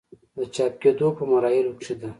د چاپ کيدو پۀ مراحلو کښې ده